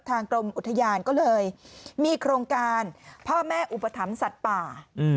กรมอุทยานก็เลยมีโครงการพ่อแม่อุปถัมภ์สัตว์ป่า